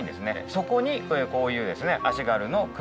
そこにこういうですね。